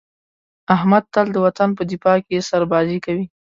احمد تل د وطن په دفاع کې سربازي کوي.